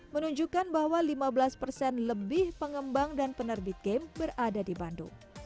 menunjukkan bahwa lima belas persen lebih pengembang dan penerbit game berada di bandung